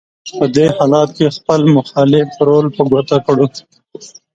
په دې حالت کې خپل مخالف رول په ګوته کړو: